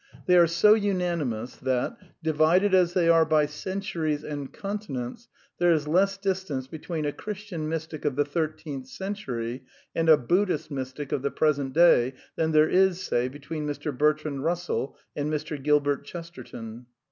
They are so unani mous, that, divided as they are by centuries and conti nents, there is less distance between a Christian mystic of the thirteenth century and a Buddhist mystic of the pres ent day than there is, say, between Mr. Bertrand Russell and Mr. Gilbert Chesterton.